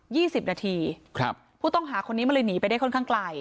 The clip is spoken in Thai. สิบนาทีครับผู้ต้องหาคนนี้มันเลยหนีไปได้ค่อนข้างไกล